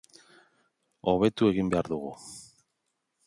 Hobetu egin behar dugu.